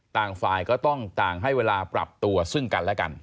ต่างฝ่ายก็ต้องต่างให้เวลาปรับตัวซึ่งกันและกัน